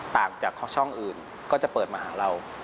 ต่างจากช่องอื่นก็จะเปิดมาหาเรา